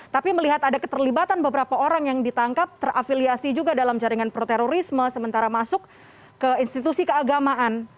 tapi melihat ada keterlibatan beberapa orang yang ditangkap terafiliasi juga dalam jaringan proterorisme sementara masuk ke institusi keagamaan